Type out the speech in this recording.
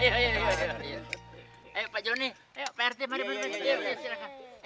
ayo pak joni pak artief silahkan